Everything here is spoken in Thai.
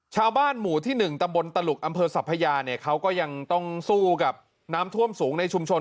ชาวบ้านหมู่ที่๑ตำบลตลุกอำเภอสัพพยาเนี่ยเขาก็ยังต้องสู้กับน้ำท่วมสูงในชุมชน